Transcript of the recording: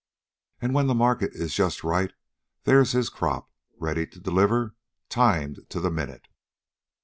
And when the market is just right, there's his crop, ready to deliver, timed to the minute."